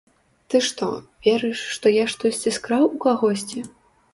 Ты што, верыш, што я штосьці скраў у кагосьці?